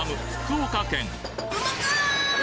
福岡県